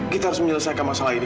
kita harus menyelesaikan masalah ini